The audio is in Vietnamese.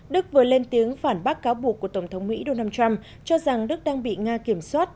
đức vừa lên tiếng phản bác cáo buộc của tổng thống mỹ donald trump cho rằng đức đang bị nga kiểm soát